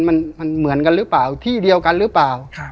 มันเหมือนกันหรือเปล่าที่เดียวกันหรือเปล่า